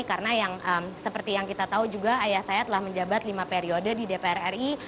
karena yang seperti yang kita tahu juga ayah saya telah menjabat lima periode di dpr ri